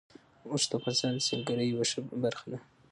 اوښ د افغانستان د سیلګرۍ یوه ښه برخه ده.